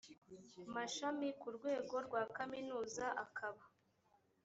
mashami ku rwego rwa kaminuza akaba